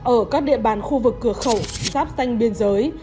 ở các địa bàn khu vực cửa khẩu sáp xanh biên giới